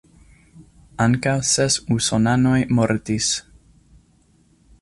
Ankaŭ ses usonanoj mortis.